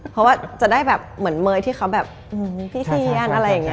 เพราะว่าจะได้แบบเหมือนเมย์ที่เขาแบบพิเซียนอะไรอย่างนี้